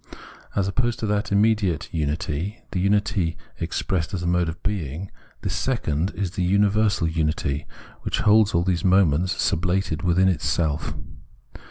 As opposed to that immediate unity, the unity expressed as a mode of being, this second is the universal unity, which holds all these moments sublated within itself.